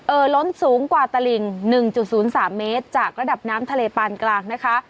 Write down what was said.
ล้นสูงกว่าตลิง๑๐๓เมตรจากระดับน้ำทะเลปานกลางนะคะ